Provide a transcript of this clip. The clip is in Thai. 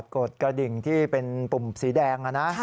กดกระดิ่งที่เป็นปุ่มสีแดงนะ